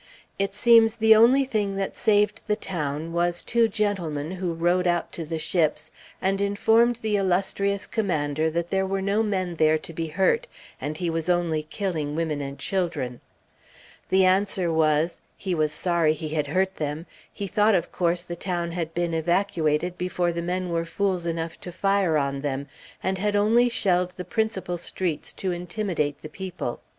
It seems the only thing that saved the town was two gentlemen who rowed out to the ships, and informed the illustrious commander that there were no men there to be hurt, and he was only killing women and children. The answer was, "He was sorry he had hurt them; he thought of course the town had been evacuated before the men were fools enough to fire on them, and had only shelled the principal streets to intimidate the people."